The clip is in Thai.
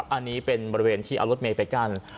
อันนี้เป็นบริเวณที่เอารถเมย์ไปกั้น